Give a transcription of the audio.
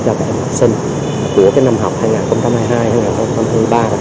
để giúp cho các học sinh của năm học hai nghìn hai mươi hai hai nghìn hai mươi ba